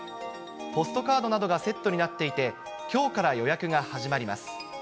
ポストカードなどがセットになっていて、きょうから予約が始まります。